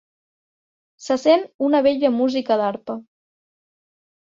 Se sent una bella música d'arpa.